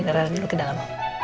nara nino ke dalam